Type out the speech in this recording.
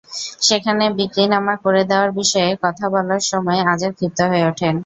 সেখানে বিক্রিনামা করে দেওয়ার বিষয়ে কথা বলার সময় আজাদ ক্ষিপ্ত হয়ে ওঠেন।